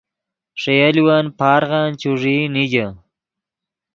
ݰے یولون پارغن چوݱیئی نیگے